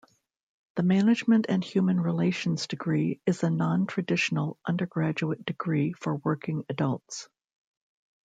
The management and human relations degree is a non-traditional undergraduate degree for working adults.